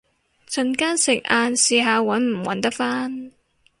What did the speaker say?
陣間食晏試下搵唔搵得返